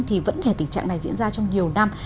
thì vẫn hề tình trạng này diễn ra trong nhiều năm